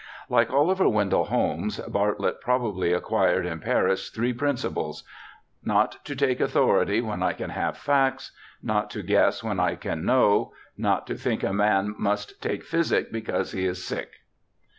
Like Oliver Wendell Holmes, Bartlett probably ac quired in Paris three principles :' Not to take authority when I can have facts ; not to guess when I can know ; not to think a man must take physic because he is sick.'